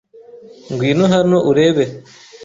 Ngwino hano urebe.